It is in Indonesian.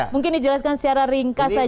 mungkin dijelaskan secara ringkas saja